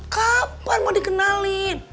kapan mau dikenalin